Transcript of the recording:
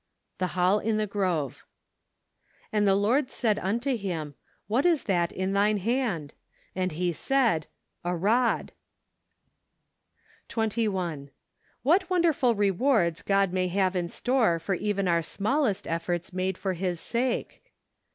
The Hall in the Gruvo. "And the Lord said unto him, IT hat is that in thine hand? And lie said , A rod. 21. What wonderful rewards God may have in store for even our smallest efforts made for His sake